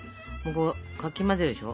かき混ぜるでしょ。